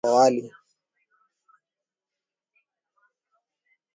wako katika hatari ya kuambukizwa kuliko waliozaliwa na ng'ombe aliyewahi kuzaa hapo awali